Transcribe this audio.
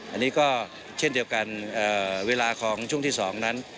อันนี้ก็เช่นเดียวกันเวลาของช่วงที่๒นั้น